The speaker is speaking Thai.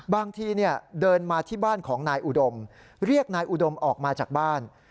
บางทีเดินมาที่บ้านของนายอุดมเรียกนายอุดมออกมาจากบ้าน